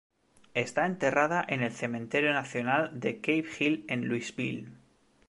Está enterrada en el cementerio nacional de Cave Hill en Louisville.